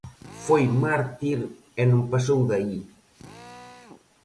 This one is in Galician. Foi mártir e non pasou de aí.